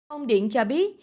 ông điển cho biết